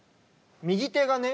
右手がね